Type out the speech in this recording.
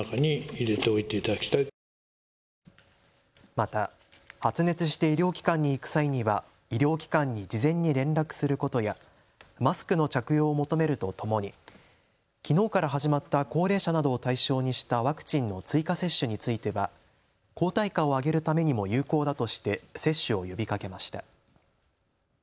また発熱して医療機関に行く際には医療機関に事前に連絡することやマスクの着用を求めるとともにきのうから始まった高齢者などを対象にしたワクチンの追加接種については抗体価を上げるためにも有効だとして接種を呼びかけました。